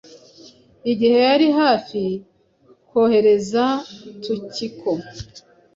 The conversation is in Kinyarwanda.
Igihe yari hafi kohereza Tukiko